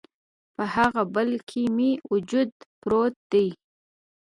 په هغه بل کي مې وجود پروت دی